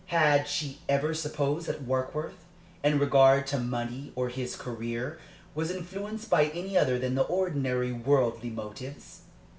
Had she ever supposed that Warkworth, in regard to money or his career, was influenced by any other than the ordinary worldly motives?